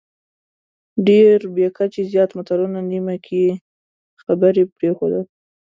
ډېر بې کچې زیات متلونه، نیمه کې خبرې پرېښودل،